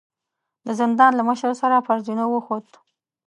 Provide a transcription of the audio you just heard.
د زندان له مشر سره پر زينو وخوت.